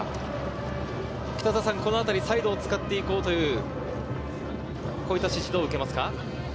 このあたりサイドを使って行こうという指示、どう受けますか？